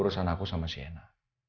urusan aku sama si ena